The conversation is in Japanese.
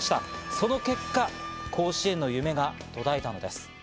その結果、甲子園の夢が途絶えたんです。